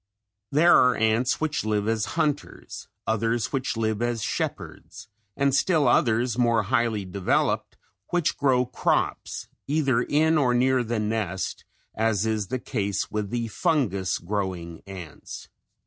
There are ants which live as hunters, others which live as shepherds and still others more highly developed which grow crops either in or near the nest as is the case with the fungus growing ants.